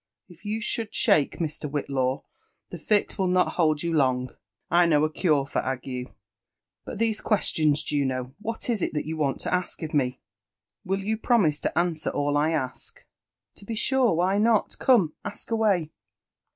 '' If you should shake, Mr. WhitUw, the fit will not hold you long : I know a cure for 9gue." " But diese questions, Juno,^ wbat is it that you want to ask of me?" '* Will you promise to answer ^11 1 ask 7" •* To be sure — why not?— come, ask away."